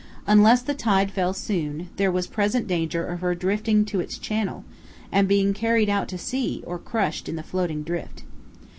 Unless the tide fell soon, there was present danger of her drifting to its channel, and being carried out to sea or crushed in the floating drift.